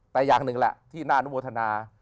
แต่อย่างหนึ่งแหละที่หน้านมวธนา